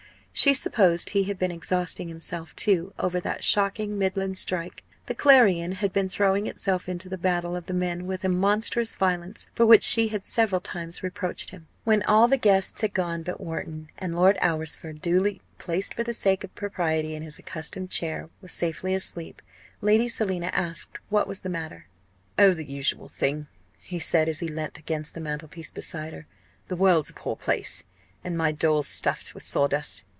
She supposed he had been exhausting himself, too, over that shocking Midland strike. The Clarion had been throwing itself into the battle of the men with a monstrous violence, for which she had several times reproached him. When all the guests had gone but Wharton, and Lord Alresford, duly placed for the sake of propriety in his accustomed chair, was safely asleep, Lady Selina asked what was the matter. "Oh, the usual thing!" he said, as he leant against the mantelpiece beside her. "The world's a poor place, and my doll's stuffed with sawdust.